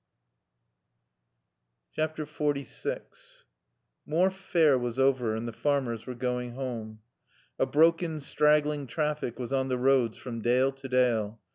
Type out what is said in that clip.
XLVI Morfe Fair was over and the farmers were going home. A broken, straggling traffic was on the roads from dale to dale.